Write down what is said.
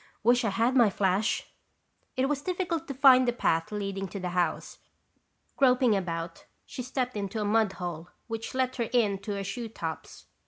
"Wish I had my flash." It was difficult to find the path leading to the house. Groping about, she stepped into a mud hole which let her in to her shoetops.